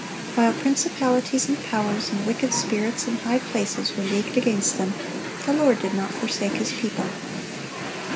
While "principalities and powers and wicked spirits in high places" were leagued against them, the Lord did not forsake His people.